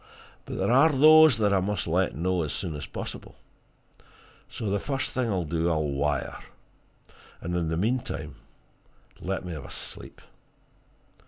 But there are those that I must let know as soon as possible so the first thing I'll do, I'll wire. And in the meantime, let me have a sleep."